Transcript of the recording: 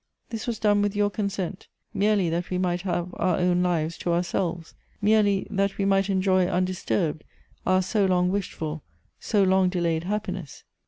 This was done with your consent, merely that we might have our own lives to ourselves — merely that we might enjoy undisturbed our so long wished for, so long delayed happiness.